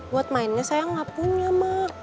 buat mainnya sayang gak punya mak